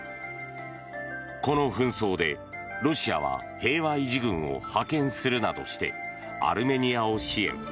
この紛争で、ロシアは平和維持軍を派遣するなどしてアルメニアを支援。